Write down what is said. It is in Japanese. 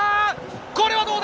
これはどうだ？